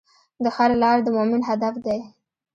د خیر لاره د مؤمن هدف دی.